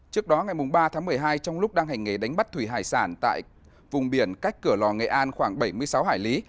trước đó ngày ba tháng một mươi hai trong lúc đang hành nghề đánh bắt thủy hải sản tại vùng biển cách cửa lò nghệ an khoảng bảy mươi sáu hải lý